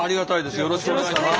よろしくお願いします。